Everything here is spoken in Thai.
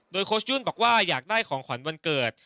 โดยโค้ชยุ่นบอกว่าอยากได้ของขวัญวันเกิด